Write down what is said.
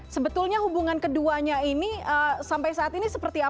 sebetulnya hubungan keduanya ini sampai saat ini seperti apa